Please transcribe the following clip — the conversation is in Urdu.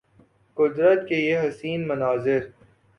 قدرت کے یہ حسین مناظر